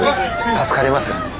助かりますよ。